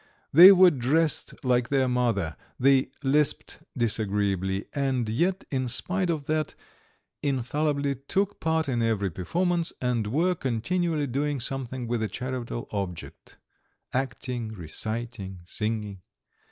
They were dressed like their mother, they lisped disagreeably, and yet, in spite of that, infallibly took part in every performance and were continually doing something with a charitable object acting, reciting, singing.